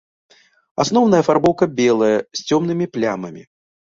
Асноўная афарбоўка белая з цёмнымі плямамі.